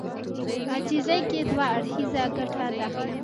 په عاجزي کې دوه اړخيزه ګټه ده.